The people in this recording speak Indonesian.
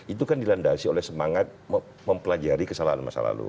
itu kan dilandasi oleh semangat mempelajari kesalahan masa lalu